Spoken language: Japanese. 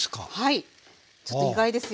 ちょっと意外ですよね。